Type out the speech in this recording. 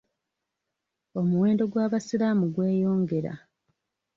Omuwendo gw'abasiraamu gweyongera.